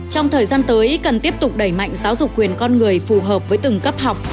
trong thời gian tới cần tiếp tục đẩy mạnh giáo dục quyền con người phù hợp với từng cấp học